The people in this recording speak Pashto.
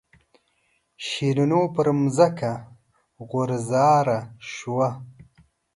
شیرینو پر ځمکه غوځاره شوه.